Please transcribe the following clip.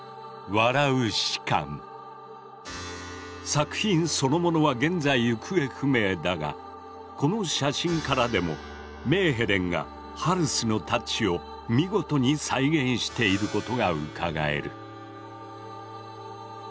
作品そのものは現在行方不明だがこの写真からでもメーヘレンがハルスのタッチを見事に再現していることがうかがえる。